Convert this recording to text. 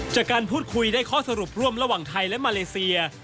จากการพูดคุยได้ข้อสรุปร่วมระหว่างไทยและมาเลเซีย